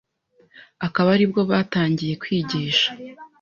Akaba aribwo batangiye kwigisha